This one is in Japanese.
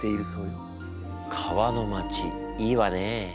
川の街いいわね。